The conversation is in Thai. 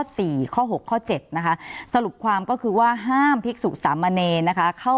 สี่หกตอนนี้เนี่ยนะคะสรุปความก็คือว่าห่ามที่สุสมเนตนะคะข้อ